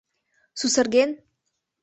— Сусырген?!